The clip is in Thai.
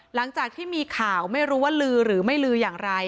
หลังจากที่มีข่าวไม่รู้ว่าลือหรือไม่ลืออย่างไร